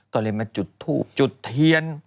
ก็เลยมาจุดทูบจุดเทียน